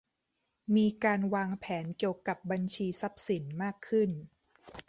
มีการวางแผนเกี่ยวกับบัญชีทรัพย์สินมากขึ้น